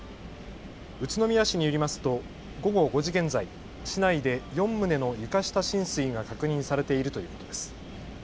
宇都宮市によりますと午後５時現在、市内で４棟の床下浸水が確認されているということです。